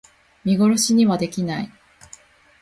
見殺しにはできない